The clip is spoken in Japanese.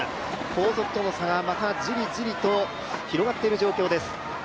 後続との差がまた、じりじりと広がっている状況です。